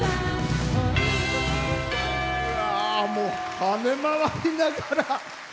跳ね回りながら。